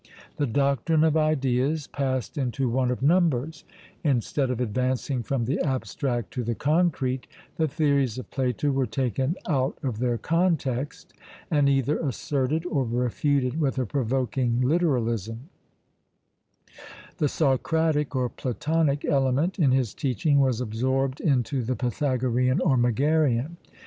The doctrine of Ideas passed into one of numbers; instead of advancing from the abstract to the concrete, the theories of Plato were taken out of their context, and either asserted or refuted with a provoking literalism; the Socratic or Platonic element in his teaching was absorbed into the Pythagorean or Megarian.